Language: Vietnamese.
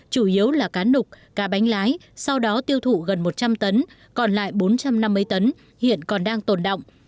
chủ yếu là cá nục cá bánh lái sau đó tiêu thụ gần một trăm linh tấn còn lại bốn trăm năm mươi tấn hiện còn đang tồn động